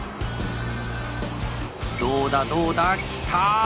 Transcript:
どうだどうだ来た。